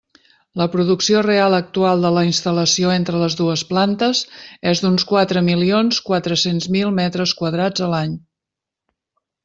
La producció real actual de la instal·lació entre les dues plantes és d'uns quatre milions quatre-cents mil metres quadrats a l'any.